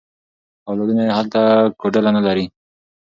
اولادونه یې هلته کوډله نه لري.